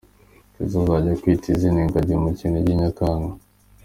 Keza azajya kwita izina ingagi mu kinigi nyakanga.